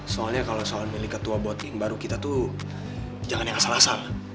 soalnya kalau soal memilih ketua buat yang baru kita tuh jangan yang asal asal